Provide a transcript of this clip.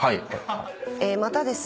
またですね